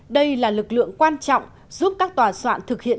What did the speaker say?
đây là lực lượng quan trọng giúp các tòa soạn thực hiện